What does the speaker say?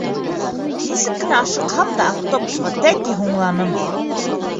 Нисек кенә ашыҡһам да, автобусҡа тәки һуңланым.